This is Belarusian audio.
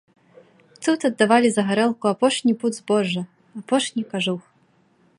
Тут аддавалі за гарэлку апошні пуд збожжа, апошні кажух.